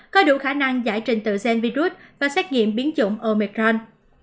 có đủ khả năng giải trình tựa gian virus và xét nghiệm biến chủng omicron